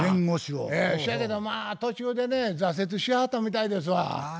そやけどまあ途中でね挫折しはったみたいですわ。